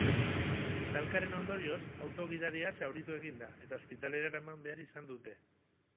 Talkaren ondorioz, auto-gidaria zauritu egin da eta ospitalera eraman behar izan dute.